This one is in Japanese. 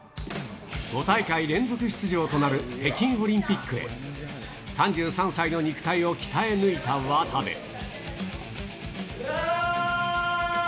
５大会連続出場となる北京オリンピックへ、３３歳の肉体を鍛え抜いた渡部。